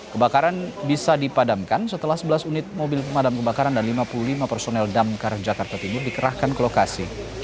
kebakaran bisa dipadamkan setelah sebelas unit mobil pemadam kebakaran dan lima puluh lima personel damkar jakarta timur dikerahkan ke lokasi